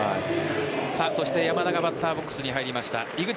そして山田がバッターボックスに入りました。